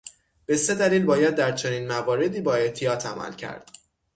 به سه دلیل باید در چنین مواردی با احتیاط عمل کرد.